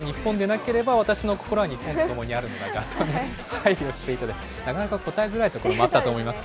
でもクロアチア対日本でなければ、私の心は日本とともにあるのだが、配慮していただいて、なかなか答えづらいところもあると思いますが。